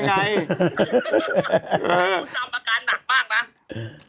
ต้องเติมรับการหนักบ้างนะ